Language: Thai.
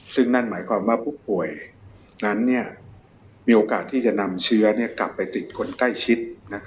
ซึ่งนั่นหมายความว่าผู้ป่วยนั้นมีโอกาสที่จะนำเชื้อกลับไปติดคนใกล้ชิด